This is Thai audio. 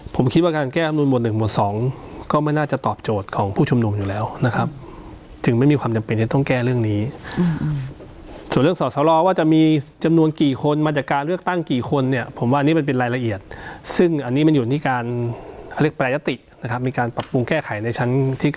ผมคิดว่าการแก้อำนวนหวดหนึ่งหมวดสองก็ไม่น่าจะตอบโจทย์ของผู้ชุมนุมอยู่แล้วนะครับถึงไม่มีความจำเป็นจะต้องแก้เรื่องนี้ส่วนเรื่องสอสรว่าจะมีจำนวนกี่คนมาจากการเลือกตั้งกี่คนเนี่ยผมว่าอันนี้มันเป็นรายละเอียดซึ่งอันนี้มันอยู่ที่การเขาเรียกแปรยตินะครับมีการปรับปรุงแก้ไขในชั้นที่ก